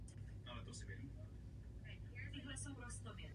Potřebujeme zracionalizovat využití vody.